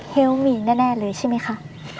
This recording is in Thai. แฮลมีนแน่เลยใช่มั้ยคะ